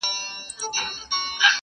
اوبولې یې ریشتیا د زړونو مراندي.!